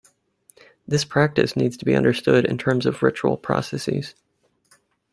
This practice needs to be understood in terms of ritual processes.